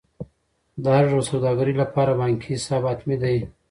د هر ډول سوداګرۍ لپاره بانکي حساب حتمي دی.